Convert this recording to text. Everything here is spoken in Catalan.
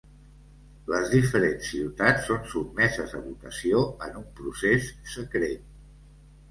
Les diferents ciutats són sotmeses a votació en un procés secret.